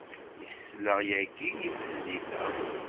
Yesla yagi i tezlit-a.